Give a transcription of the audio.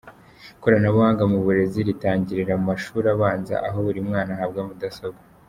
Ikoranabuhanga mu burezi ritangirira mu mashuri abanza aho buri mwana ahabwa mudasobwa.